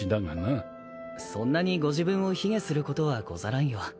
そんなにご自分を卑下することはござらんよ。